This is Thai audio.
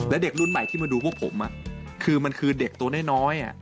และเด็กรุ่นใหม่ที่มาดูพวกผมคือมันคือเด็กตัวน้อย